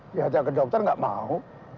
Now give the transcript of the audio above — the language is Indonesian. dihajak ke dokter tidak mau